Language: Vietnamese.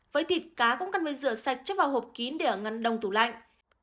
với thịt cá cũng cần phải rửa sạch chấp vào hộp kín để ở ngăn đông tủ lạnh